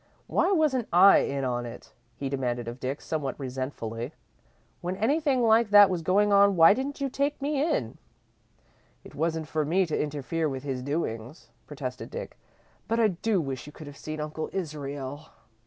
Why wasn't I in on it?" he demanded of Dick, somewhat resentfully. "When anything like that was going on, why didn't you take me in?" "It wasn't for me to interfere with his doings," protested Dick, "but I do wish you could have seen Uncle Israel."